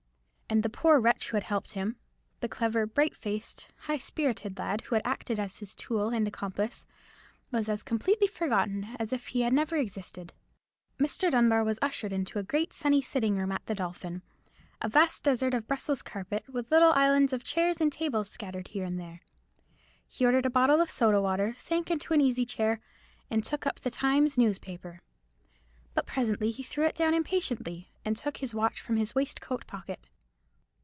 And the poor wretch who had helped him—the clever, bright faced, high spirited lad who had acted as his tool and accomplice—was as completely forgotten as if he had never existed. Mr. Dunbar was ushered into a great sunny sitting room at the Dolphin; a vast desert of Brussels carpet, with little islands of chairs and tables scattered here and there. He ordered a bottle of soda water, sank into an easy chair, and took up the Times newspaper. But presently he threw it down impatiently, and took his watch from his waistcoat pocket.